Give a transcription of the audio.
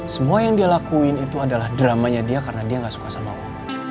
semua yang dia lakuin itu adalah dramanya dia karena dia gak suka sama allah